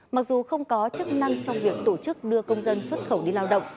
mặc dù không có chức năng trong việc tổ chức đưa công dân xuất khẩu đi lao động